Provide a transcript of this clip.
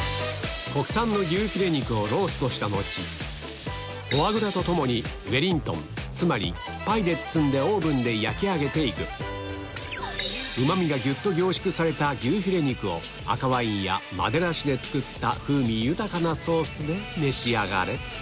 国産の牛フィレ肉をローストした後フォアグラと共にウェリントンつまりパイで包んでオーブンで焼き上げて行くうま味がぎゅっと凝縮された牛フィレ肉を赤ワインやマデラ酒で作った風味豊かなソースで召し上がれ